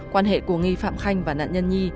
quan hệ của nghi phạm khanh và nạn nhân nhi